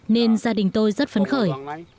nên gia đình tôi rất phấn khởi